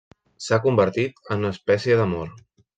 S'ha convertit en una espècie d’amor.